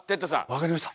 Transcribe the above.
分かりました。